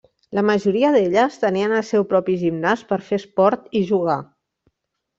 La majoria d'elles tenien el seu propi gimnàs per fer esport i jugar.